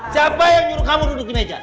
siapa yang nyuruh kamu duduk di meja